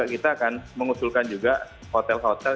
kita akan mengusulkan juga hotel hotel